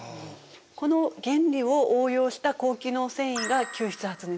この原理を応用した高機能繊維が吸湿発熱